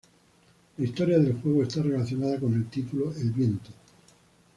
La historia del juego está relacionada con el título El Viento.